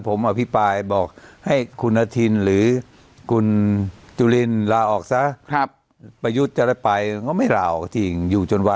ผมบอกให้คุณนธินค์หรือคุณจุฬินค์ลาออกซะครับไปยุดจะ